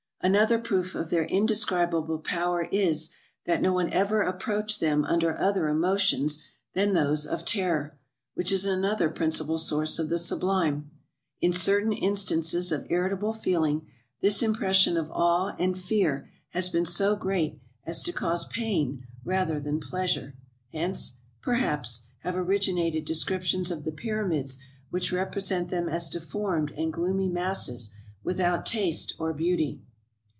Another proof of their indescribable power is, that no one ever approached them under other emotions than those of terror, which is another principal source of the sublime. In certain instances of irritable feeling, this im pression of awe and fear has been so great as to cause pain rather than pleasure; hence, perhaps, have originated de scriptions of the Pyramids which represent them as deformed and gloomy masses, without taste or beauty.